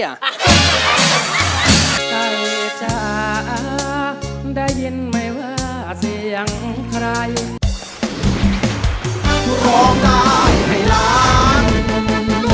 กลับไปจากได้ยินไหมว่าเสียงใคร